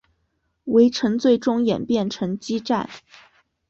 围城最终演变成激战。